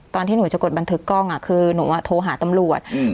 ตอนที่หนูจะกดบันทึกกล้องคือหนูโทรหาตำรวจ